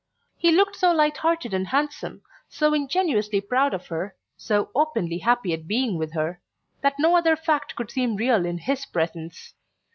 He looked so light hearted and handsome, so ingenuously proud of her, so openly happy at being with her, that no other fact could seem real in his presence.